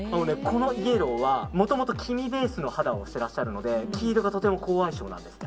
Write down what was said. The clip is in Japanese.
このイエローはもともと黄みベースの肌をしてらっしゃるので黄色がとても好相性なんです。